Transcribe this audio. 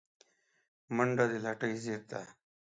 منډه د لټۍ ضد ده